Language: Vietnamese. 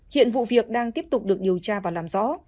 hiện vụ việc đang tiếp tục được điều tra và làm rõ